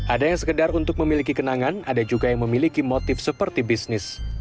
ada yang sekedar untuk memiliki kenangan ada juga yang memiliki motif seperti bisnis